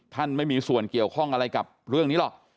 ไม่มีส่วนเกี่ยวข้องอะไรกับเรื่องนี้หรอก